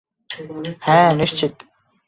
হ্যাঁ, নিশ্চিত।